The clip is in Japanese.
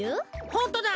ホントだ。